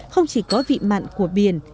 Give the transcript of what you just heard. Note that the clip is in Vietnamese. không chỉ có vị mặn của biển